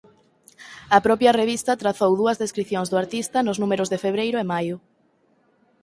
A propia revista trazou dúas descricións do artista nos números de febreiro e maio.